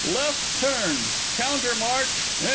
Left turn! Countermarch!